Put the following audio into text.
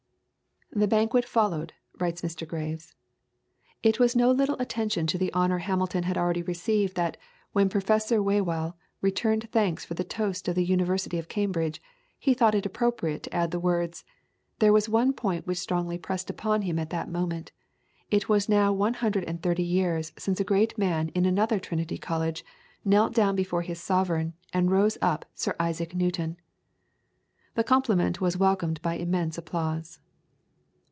The banquet followed, writes Mr. Graves. "It was no little addition to the honour Hamilton had already received that, when Professor Whewell returned thanks for the toast of the University of Cambridge, he thought it appropriate to add the words, 'There was one point which strongly pressed upon him at that moment: it was now one hundred and thirty years since a great man in another Trinity College knelt down before his sovereign, and rose up Sir Isaac Newton.' The compliment was welcomed by immense applause."